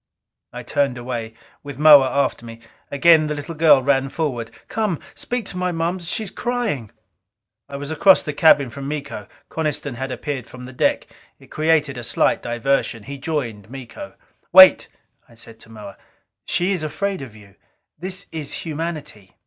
I turned away, with Moa after me. Again the little girl ran forward. "Come ... speak to my Moms; she is crying." It was across the cabin from Miko. Coniston had appeared from the deck; it created a slight diversion. He joined Miko. "Wait," I said to Moa. "She is afraid of you. This is humanity."